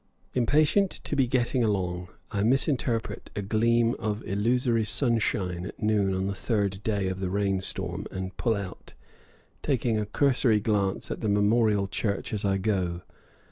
Impatient to be getting along, I misinterpret a gleam of illusory sunshine at noon on the third day of the rain storm and pull out, taking a cursory glance at the Memorial Church as I go.